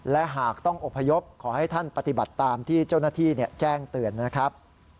และหากต้องอบพยพขอให้ท่านปฏิบัติตามที่เจ้าหน้าที่แจ้งเตือนนะครับ